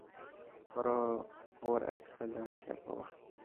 پور اخیستل د اړتیا په وخت کې کیږي.